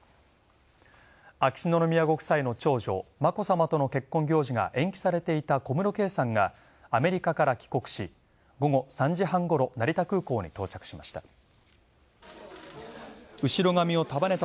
秋篠宮ご夫妻の長女眞子さまとの結婚行事が延期されていた小室圭さんがアメリカから帰国し、午後３時半頃、成田空港に到着しました。